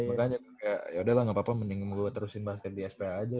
makanya kayak yaudah lah gapapa mending gua terusin bahas di sph aja